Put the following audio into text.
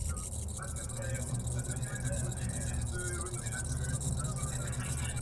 En cada ocasión, Arafat consiguió escapar, y se puso a salvo de sus perseguidores.